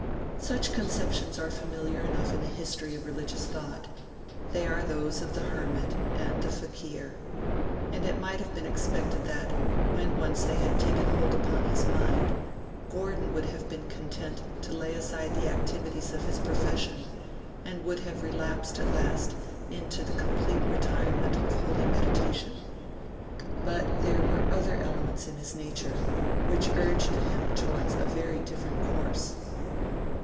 Such conceptions are familiar enough in the history of religious thought: they are those of the hermit and the fakir; and it might have been expected that, when once they had taken hold upon his mind, Gordon would have been content to lay aside the activities of his profession, and would have relapsed at last into the complete retirement of holy meditation. But there were other elements in his nature which urged him towards a very different course.